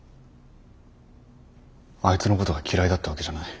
あいつのことが嫌いだったわけじゃない。